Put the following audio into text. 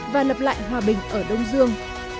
và lập lại hòa bình ở đông dương